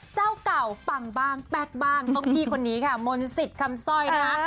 เจ้าเก่าปังบ้างแป๊กบ้างต้องพี่คนนี้ค่ะมนต์สิทธิ์คำสร้อยนะคะ